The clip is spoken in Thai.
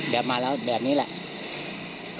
มาแล้วแบบนี้แหละ